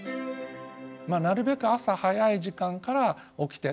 なるべく朝早い時間から起きて。